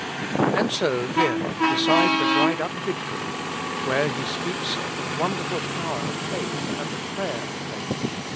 And so here, beside the dried up fig tree, where He speaks of the wonderful power of faith and the prayer of faith.